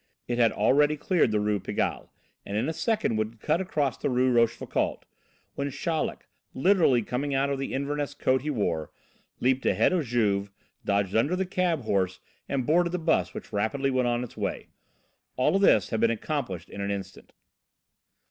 It had already cleared the Rue Pigalle, and in a second would cut across the Rue Rochefoucauld, when Chaleck, literally coming out of the Inverness coat he wore, leaped ahead of Juve, dodged under the cab horse and boarded the bus, which rapidly went on its way. All this had been accomplished in an instant.